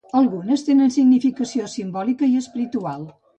Algunes tenen significació simbòlica i espiritual.